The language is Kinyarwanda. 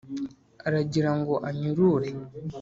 Aragira ngo anyurure